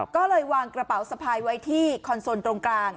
ก็เลยวางกระเป๋าสะพายไว้ที่คอนโซลตรงกลาง